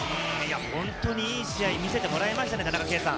本当にいい試合を見せてもらえましたね。